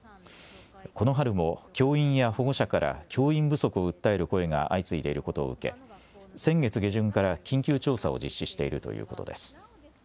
この春も教員や保護者から教員不足を訴える声が相次いでいることを受け先月下旬から緊急調査を実施しているということです。